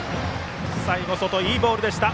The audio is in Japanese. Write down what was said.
最後、外にいいボールでした。